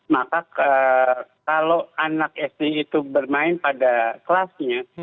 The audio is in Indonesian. maka kalau anak sd itu bermain pada kelasnya